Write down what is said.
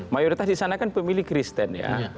mayoritas di sana kan pemilih kristen ya